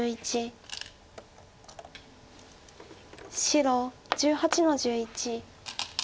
白１８の十一。